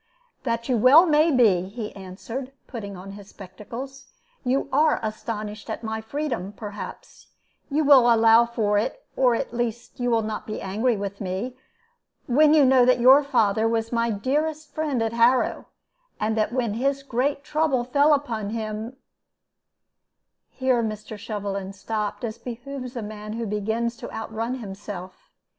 "That you well may be," he answered, putting on his spectacles. "You are astonished at my freedom, perhaps; you will allow for it, or at least, you will not be angry with me, when you know that your father was my dearest friend at Harrow; and that when his great trouble fell upon him " Here Mr. Shovelin stopped, as behooves a man who begins to outrun himself.